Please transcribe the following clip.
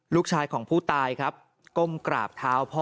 ลูกชายของผู้ตายครับก้มกราบเท้าพ่อ